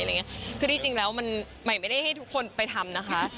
คือที่จริงแล้วมันใหม่ไม่ได้ให้ทุกคนไปทำนะคะ